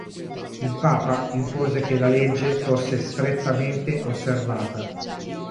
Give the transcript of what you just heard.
Il papa impose che la legge fosse strettamente osservata.